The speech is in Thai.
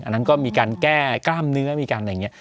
อันนั้นก็มีการแก้กล้ามเนื้อมีการอะไรอย่างนี้